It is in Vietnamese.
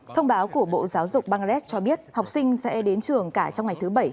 thông báo của bộ giáo dục bangladesh cho biết học sinh sẽ đến trường cả trong ngày thứ bảy